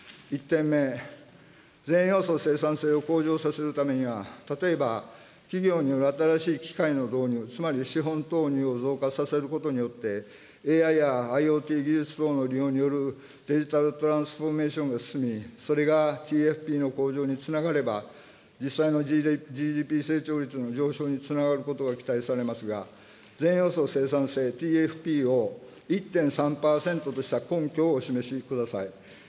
１点目、全要素生産性を向上させるためには、例えば、企業による新しい機械の導入、つまり資本投入を増加させることによって、ＡＩやＩｏＴ技術等の利用によるデジタルトランスフォーメーションが進み、それがＴＦＰの向上につながれば、実際のＧＤＰ成長率の上昇につながることが期待されますが、全要素生産性・ＴＦＰを１．３％とした根拠をお示しください。